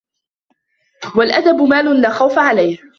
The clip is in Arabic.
وَالْأَدَبُ مَالٌ لَا خَوْفَ عَلَيْهِ